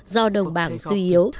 do đồng bảng suy yếu